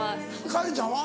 カレンちゃんは？